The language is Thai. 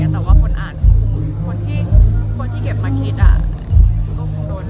แต่คนคนที่เก็บมาคิดก็คงโดน